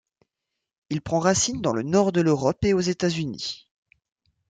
Il prend racine dans le nord de l'Europe et aux États-Unis.